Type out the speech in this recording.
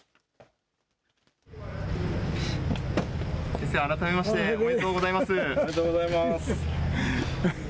先生、改めまして、おめでとうございます。